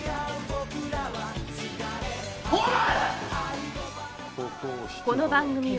おい！